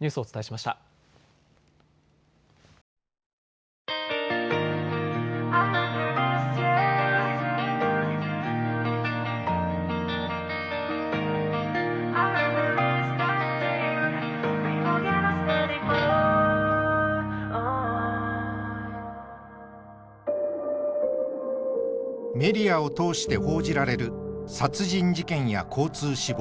メディアを通して報じられる殺人事件や交通死亡事故。